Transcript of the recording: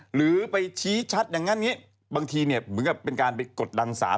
หรือไปชี้ชัดอย่างนั้นบางทีเหมือนกับเป็นการไปกดดังสาร